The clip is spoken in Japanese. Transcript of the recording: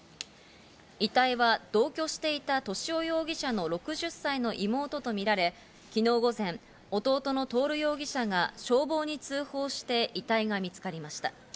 遺体は同居していた敏夫容疑者の６０歳の妹とみられ、昨日午前、弟の徹容疑者が消防に通報して遺体が見つかりました。